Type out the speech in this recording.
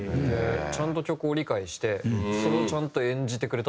ちゃんと曲を理解してそれをちゃんと演じてくれたというか。